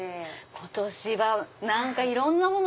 今年はいろんなもの